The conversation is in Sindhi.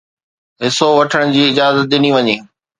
حصو وٺڻ جي اجازت ڏني وڃي